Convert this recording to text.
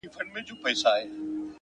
• چي زه به څرنگه و غېږ ته د جانان ورځمه؛